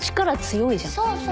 力強いじゃん。